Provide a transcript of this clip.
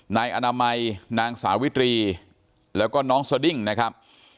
นายอนามัยนางสาวิตรีแล้วก็น้องสดิ้งนะครับ